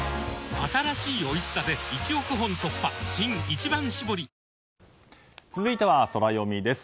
新「一番搾り」続いてはソラよみです。